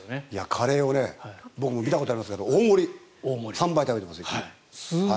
カレーを僕も見たことありますが大盛３杯食べてますよ。